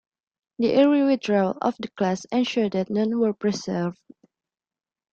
The early withdrawal of the class ensured that none were preserved.